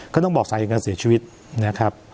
ก็ต้องบอกใส่การเสียชีวิตนะครับ